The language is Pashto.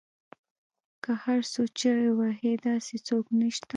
که هر څو چیغې وهي داسې څوک نشته